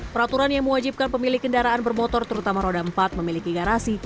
peraturan yang mewajibkan pemilik kendaraan bermotor terutama roda empat memiliki garasi